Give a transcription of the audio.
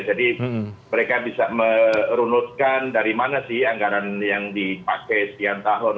mereka bisa merunutkan dari mana sih anggaran yang dipakai sekian tahun